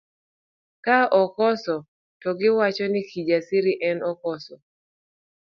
Ka akoso to giwach ni Kijasiri en okoso.